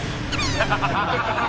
ハハハハ！